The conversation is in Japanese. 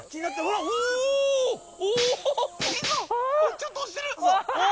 ちょっと押してるおわ。